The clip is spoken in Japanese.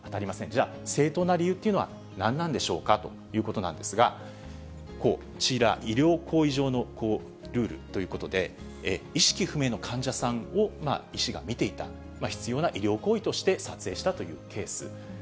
じゃあ、正当な理由っていうのは何なんでしょうかということなんですが、こちら、医療行為上のルールということで、意識不明の患者さんを医師が診ていた、必要な医療行為として撮影したというケース。